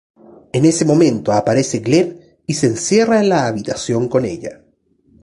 En ese momento aparece Gleb y se encierra en la habitación con ella.